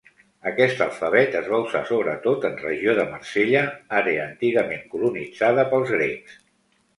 Aquest alfabet es va usar sobretot en regió de Marsella, àrea antigament colonitzada pels grecs.